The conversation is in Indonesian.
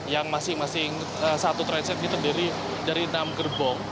yang masing masing satu transit ini terdiri dari enam gerbong